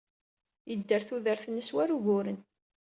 Yedder tudert-nnes war uguren.